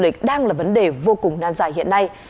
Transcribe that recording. việc đang là vấn đề vô cùng nan dài hiện nay